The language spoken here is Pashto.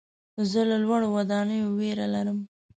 زه له لوړو ودانیو ویره لرم.